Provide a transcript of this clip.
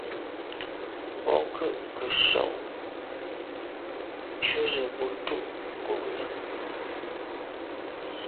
Bônke’ nke nson ju ze bo tù’ ngù là.